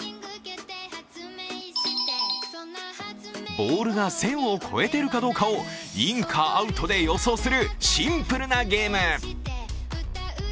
ボールが線を越えているかどうかをインかアウトで予想するシンプルなゲーム。